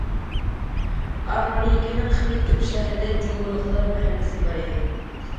ئامېرىكىنىڭ خىلى كۆپ شەھىرىدە جۇڭگولۇقلار مەھەللىسى بار ئىدى.